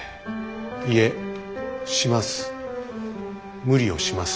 いえします。